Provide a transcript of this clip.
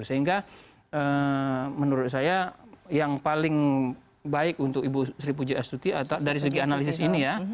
sehingga menurut saya yang paling baik untuk ibu sri pujiastuti dari segi analisis ini ya